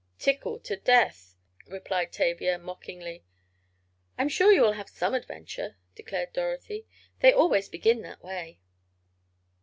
"Tickled to death!" replied Tavia, mockingly. "I'm sure you will have some adventure," declared Dorothy. "They always begin that way."